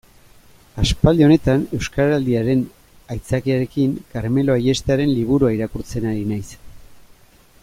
Aspaldi honetan, Euskaraldiaren aitzakiarekin, Karmelo Ayestaren liburua irakurtzen ari naiz.